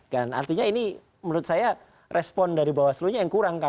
dan artinya ini menurut saya respon dari bawaslu yang kurang